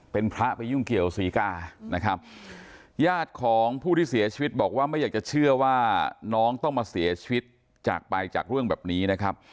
เป็นพระไปยุ่งเกี่ยวศรีกานะครับญาติของผู้ที่เสียชีวิตบอกว่าไม่อยากจะเชื่อว่าน้องต้องมาเสียชีวิตจากไปจากเรื่องแบบนี้นะครับ